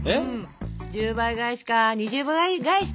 １０倍返しか２０倍返しでもいいな。